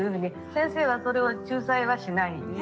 先生はそれを仲裁はしない。